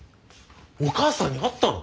お母さんに会ったの？